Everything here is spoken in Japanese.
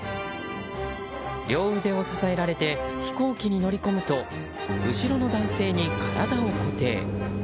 両腕を支えられて飛行機に乗り込むと後ろの男性に体を固定。